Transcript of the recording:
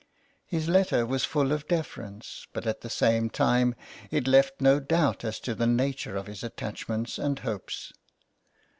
His letter was full of deference, but at the same time it left no doubt as to the nature of his attachments and hopes.